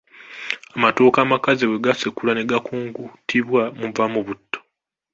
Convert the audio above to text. Amatooke amakaze bwe gasekulwa ne gakunguntibwa muvaamu butto.